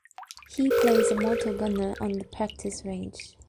He plays a mortar gunner on the practice range.